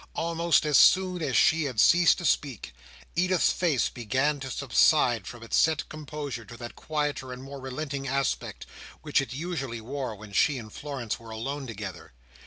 Almost as soon as she had ceased to speak, Edith's face began to subside from its set composure to that quieter and more relenting aspect, which it usually wore when she and Florence were alone together.